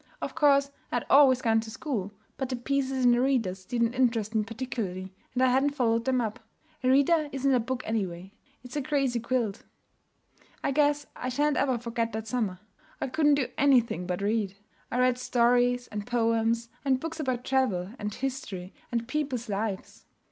Of course I had always gone to school, but the pieces in the readers didn't interest me particularly, and I hadn't followed them up. A reader isn't a book, anyway; it's a crazy quilt. I guess I shan't ever forget that summer. I couldn't do anything but read. I read stories and poems and books about travel and history and peoples' lives.